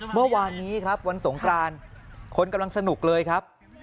เมื่อวานนี้ครับวันสงกรานคนกำลังสนุกเลยครับ